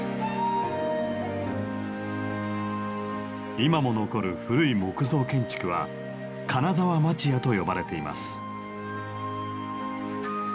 今も残る古い木造建築は金沢町家と呼ばれています。